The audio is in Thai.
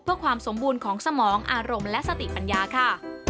เพื่อความสมบูรณ์ของสมองอารมณ์และสติปัญญาค่ะ